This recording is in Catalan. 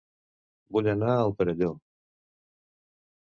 Vull anar a El Perelló